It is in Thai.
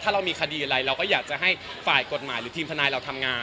ถ้าเรามีคดีอะไรเราก็อยากจะให้ฝ่ายกฎหมายหรือทีมทนายเราทำงาน